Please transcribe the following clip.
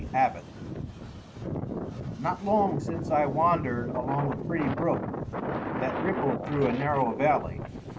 Abbott Not long since I wandered along a pretty brook that rippled through a narrow valley.